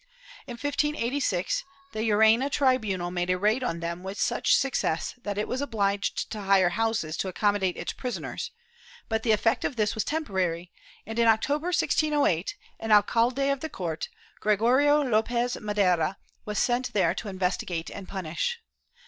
In 1586 the Llerena tribunal made a raid on them with such success that it was obliged to hire houses to accommodate its prisoners, but the effect of this was temporary and, in October 1608, an alcalde of the court, Gregorio Lopez Madera, was sent there to investigate and punish.